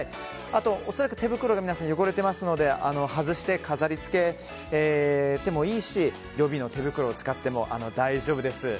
あと、恐らく手袋が皆さん汚れていますので外して飾り付けてもいいし予備の手袋を使っても大丈夫です。